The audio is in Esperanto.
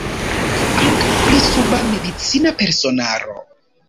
Ankaŭ pri suba medicina personaro.